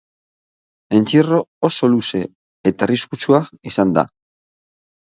Entzierro oso luze eta arriskutsua izan da.